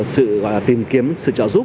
sự tìm kiếm sự trợ giúp